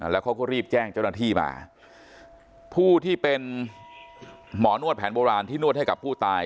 แล้วเขาก็รีบแจ้งเจ้าหน้าที่มาผู้ที่เป็นหมอนวดแผนโบราณที่นวดให้กับผู้ตาย